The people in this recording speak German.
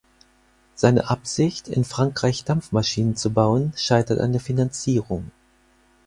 Seine Absicht, in Frankreich Dampfmaschinen zu bauen, scheitert an der Finanzierung.